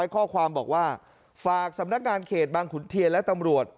ข้อความบอกว่าฝากสำนักงานเขตบางขุนเทียนและตำรวจ